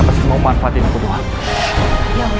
akan memanfaatinya kebohongan ya allah agung